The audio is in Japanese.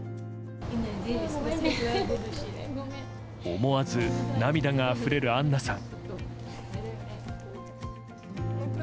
思わず涙があふれるアンナさん。